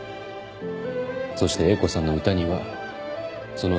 そして英子さんの歌にはその力がある。